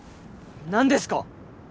何ですか！？